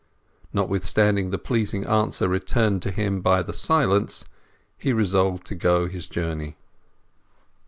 Notwithstanding the pleasing answer returned to him by the silence, he resolved to go his journey.